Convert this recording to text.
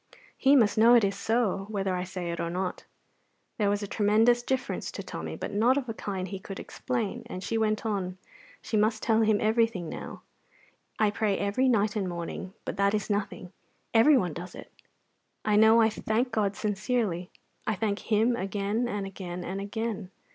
He must know it is so, whether I say it or not." There was a tremendous difference to Tommy, but not of a kind he could explain, and she went on; she must tell him everything now. "I pray every night and morning; but that is nothing everyone does it. I know I thank God sincerely; I thank Him again and again and again.